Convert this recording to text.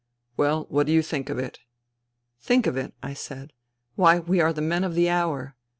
Well, what do you think of it ?"" Think of it !" I said. " Why, we are the men of the hour.